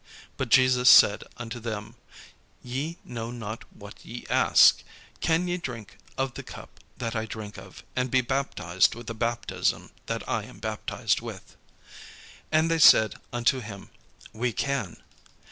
But Jesus said unto them, "Ye know not what ye ask; can ye drink of the cup that I drink of, and be baptized with the baptism that I am baptized with?" And they said unto him, "We can."